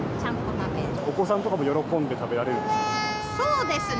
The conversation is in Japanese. お子さんとかも喜んで食べらそうですね。